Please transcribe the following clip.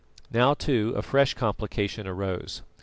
Now too a fresh complication arose.